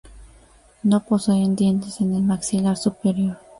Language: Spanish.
No poseen dientes en el maxilar superior.